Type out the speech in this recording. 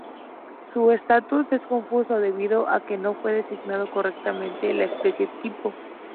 Su estatus es confuso debido a que no fue designado correctamente la especie tipo.